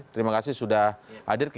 terima kasih sudah hadir